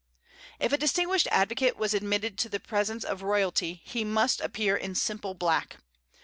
If a distinguished advocate was admitted to the presence of royalty, he must appear in simple black.